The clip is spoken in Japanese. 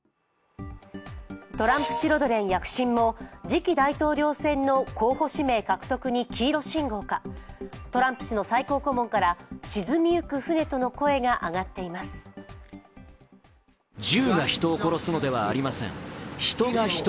トランプチルドレン躍進後、次期大統領選の候補指名獲得に黄色信号か、トランプ氏の最高顧問から沈みゆく船との声が上がっています。